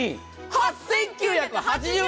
８９８０円！